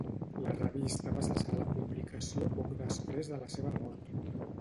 La revista va cessar la publicació poc després de la seva mort.